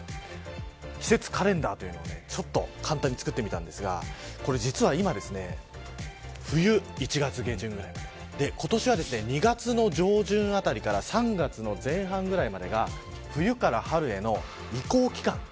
季節カレンダーというのを簡単に作ってみたんですが実は今冬１月下旬ぐらいもあれば今年は、２月の上旬あたりから３月の前半ぐらいまでが冬から春への移行期間。